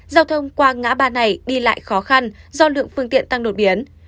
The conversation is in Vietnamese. giao thông qua ngã ba này đi lại khó khăn do lượng phương tiện tăng đột biến